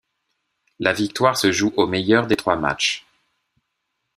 La victoire se joue au meilleur des trois matchs.